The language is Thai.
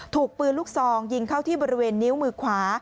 ถูกปืนลูกซองยิงเข้าที่บริเวณนิ้วมือขวา